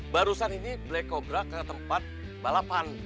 barusan ini black cobra ke tempat balapan